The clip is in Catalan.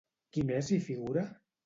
Qui més hi figura?